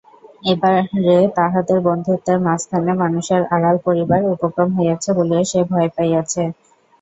এবারে তাহাদের বন্ধুত্বের মাঝখানে মানুষের আড়াল পড়িবার উপক্রম হইয়াছে বলিয়া সে ভয় পাইয়াছে।